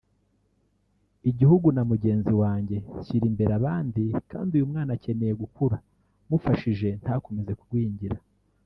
igihugu na mugenzi wanjye nshyira imbere abandi kandi uyu mwana akeneye gukura mufashije ntakomeze kugwingira